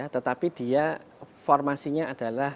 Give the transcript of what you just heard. tetapi dia formasinya adalah